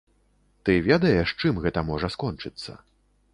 Ты ведаеш, чым гэта можа скончыцца?